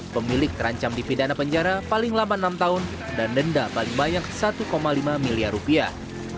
pemilik terancam dipidana penjara paling lama enam tahun dan denda paling banyak satu lima miliar rupiah